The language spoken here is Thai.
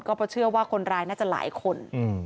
เพราะเชื่อว่าคนร้ายน่าจะหลายคน